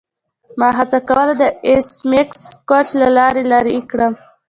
ما هڅه کوله د ایس میکس کوچ له لارې لیرې کړم